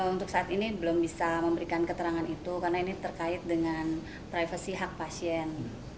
untuk saat ini belum bisa memberikan keterangan itu karena ini terkait dengan privasi hak pasien